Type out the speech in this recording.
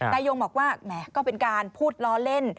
แต่โยงบอกว่าก็เป็นการพูดล้อเล่น